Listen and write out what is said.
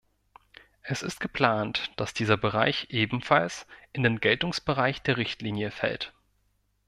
Es ist geplant, dass dieser Bereich ebenfalls in den Geltungsbereich der Richtlinie fällt.